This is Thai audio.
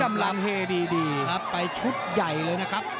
กำลังเฮดีครับไปชุดใหญ่เลยนะครับ